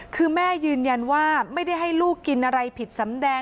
คือแม่ยืนยันว่าไม่ได้ให้ลูกกินอะไรผิดสำแดง